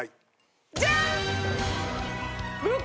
ジャンッ！